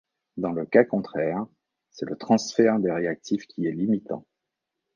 Dans le cas contraire, c'est le transfert des réactifs qui est limitant.